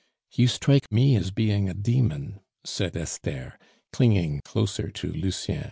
"You strike me as being a demon," said Esther, clinging closer to Lucien.